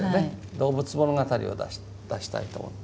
動物物語を出したいと思って。